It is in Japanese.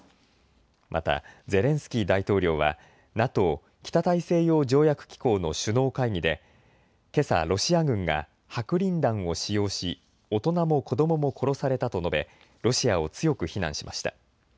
また、ゼレンスキー大統領はＮＡＴＯ・北大西洋条約機構の首脳会議でけさロシア軍が白リン弾を使用し大人も子どもも殺されたと述べロシアを強く非難しました。